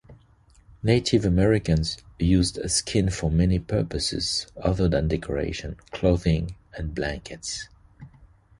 Native Americans used skin for many purposes other than decoration, clothing and blankets.